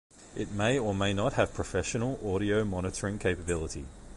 It may or may not have professional audio monitoring capability.